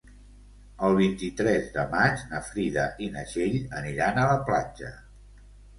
El vint-i-tres de maig na Frida i na Txell aniran a la platja.